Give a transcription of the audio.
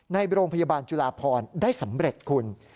ในโรงพยาบาลจุลาพรได้สำเร็จคุณ